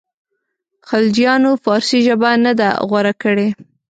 خلجیانو فارسي ژبه نه ده غوره کړې.